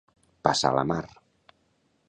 Passar la mar.